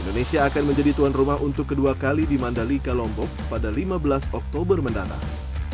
indonesia akan menjadi tuan rumah untuk kedua kali di mandalika lombok pada lima belas oktober mendatang